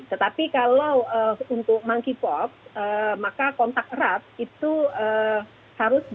tetapi kalau untuk monkey pop maka kontak erat itu harus berbeda